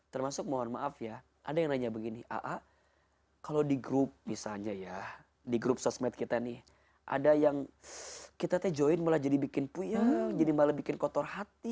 termasuk mohon maaf ya ada yang nanya begini aa kalau di grup misalnya ya di grup sosmed kita nih ada yang kita teh join malah jadi bikin puing jadi malah bikin kotor hati